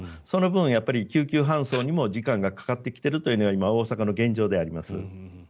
その分、救急搬送にも時間がかかってきているのが大阪の現状であります。